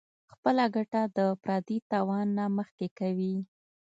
خپله ګټه د پردي تاوان نه مخکې کوي -